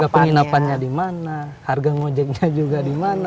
penginapannya di mana harga ngojeknya juga di mana